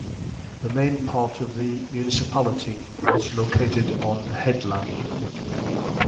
The main part of the municipality was located on a headland.